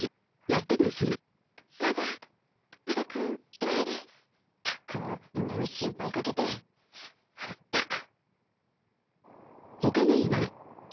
ったくみんなに心配かけてあのバカ！